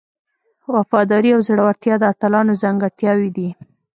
وفاداري او زړورتیا د اتلانو ځانګړتیاوې دي.